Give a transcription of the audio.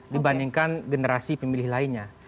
dibandingkan generasi pemilih lainnya